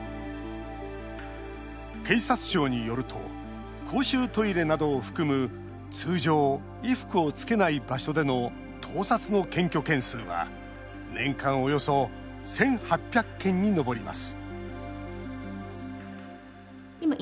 警察庁によると公衆トイレなどを含む通常、衣服を着けない場所での盗撮の検挙件数は年間およそ１８００件に上ります